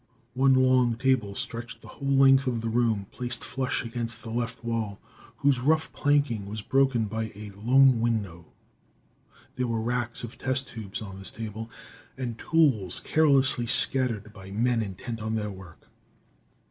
One long table stretched the whole length of the room, placed flush against the left wall, whose rough planking was broken by a lone window. There were racks of test tubes on this table, and tools, carelessly scattered by men intent on their work.